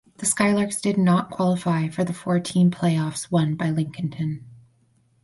The Skylarks did not qualify for the four–team playoffs won by Lincolnton.